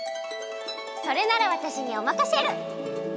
それならわたしにおまかシェル！